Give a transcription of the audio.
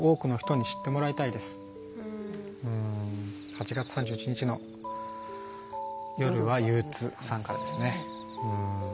８月３１の夜は憂鬱さんからですね。